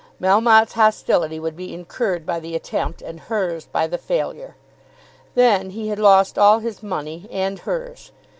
Melmotte's hostility would be incurred by the attempt, and hers by the failure. Then he had lost all his money, and hers.